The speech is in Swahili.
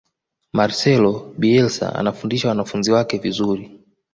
marcelo bielsa anafundisha wanafunzi wake vizuri